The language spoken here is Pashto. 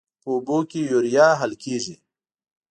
په اوبو کې د یوریا حل کیږي.